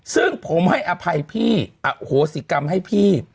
ซึ่งผมให้อภัยพี่อโหสิกรรมให้พี่